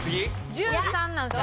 １３なんですよ